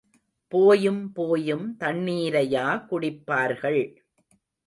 போயும் போயும் தண்ணீரையா குடிப்பார்கள்.